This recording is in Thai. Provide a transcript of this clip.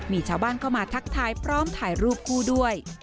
มีชาวบ้านเข้ามาทักทายพร้อมถ่ายรูปคู่ด้วย